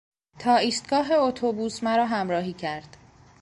تا ایستگاه اتوبوس مرا همراهی کرد.